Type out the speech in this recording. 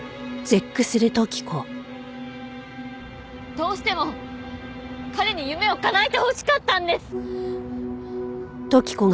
どうしても彼に夢を叶えてほしかったんです！